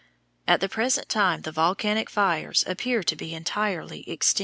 At the present time the volcanic fires appear to be entirely extinct.